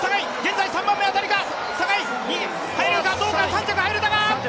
３着入れたか！